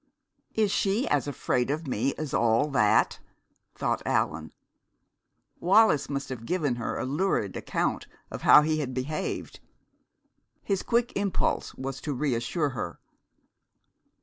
"Is she as afraid of me as all that?" thought Allan. Wallis must have given her a lurid account of how he had behaved. His quick impulse was to reassure her.